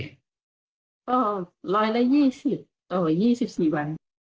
ก็ร้อยละ๒๐ต่อ๒๔วัน